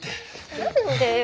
何でよ。